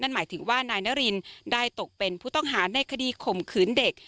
หมายถึงว่านายนารินได้ตกเป็นผู้ต้องหาในคดีข่มขืนเด็ก